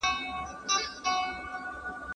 په يوه لاس کي دوې هندوانې نه نيول کېږي.